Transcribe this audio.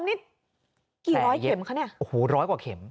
กี่ร้อยเข็มคะนี่แผลเย็บโอ้โฮร้อยกว่าเข็ม